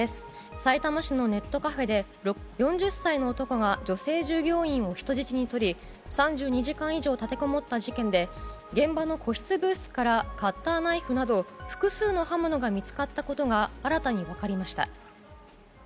さいたま市のネットカフェで４０歳の男が女性従業員を人質にとり３２時間以上立てこもった事件で現場の個室ブースからカッターナイフなど複数の刃物が見つかったことが新たに分かりました。